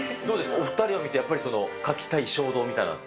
お２人を見てやっぱり描きたい衝動みたいなのって。